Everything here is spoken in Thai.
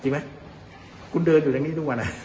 จริงไหมคุณเดินอยู่ตรงนี้ทุกวัน